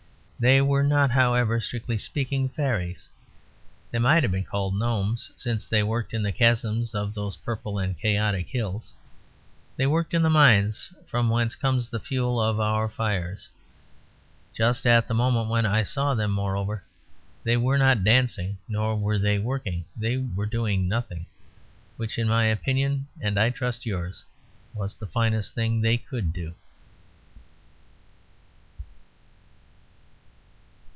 They were not, however, strictly speaking, fairies. They might have been called gnomes, since they worked in the chasms of those purple and chaotic hills. They worked in the mines from whence comes the fuel of our fires. Just at the moment when I saw them, moreover, they were not dancing; nor were they working. They were doing nothing. Which, in my opinion (and I trust yours), was the finest thing they could do.